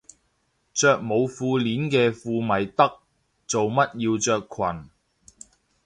着冇褲鏈嘅褲咪得，做乜要着裙